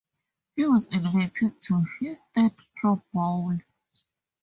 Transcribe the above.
He was invited to his third Pro Bowl.